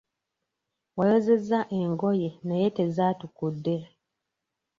Wayozezza engoye naye tezaatukudde.